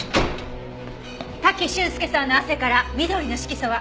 滝俊介さんの汗から緑の色素が。